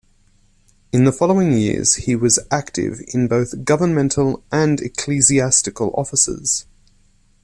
In the following years he was active in both governmental and ecclesiastical offices.